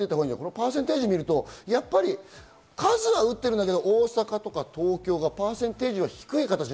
パーセンテージを見ると数は打っているんだけれども大阪や東京はパーセンテージが低い。